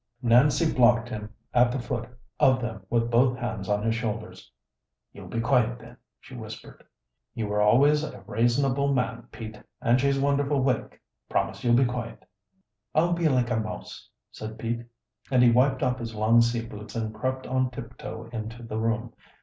Nancy blocked him at the foot of them with both hands on his shoulders. "You'll be quiet, then," she whispered. "You were always a rasonable man, Pete, and she's wonderful wake promise you'll be quiet." "I'll be like a mouse," said Pete, and he wiped off his long sea boots and crept on tiptoe into the room.